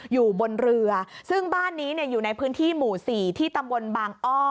อยู่บนเรือซึ่งบ้านนี้อยู่ในพื้นที่หมู่๔ที่ตำบลบางอ้อ